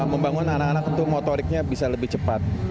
membangun anak anak itu motoriknya bisa lebih cepat